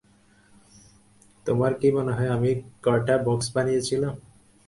তোমার কী মনে হয় আমি কয়টা বক্স বানিয়েছিলাম?